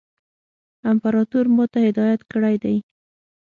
امپراطور ما ته هدایت کړی دی.